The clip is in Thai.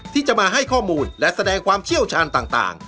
ที่จะมาให้ข้อมูลและแสดงความเชี่ยวชาญต่าง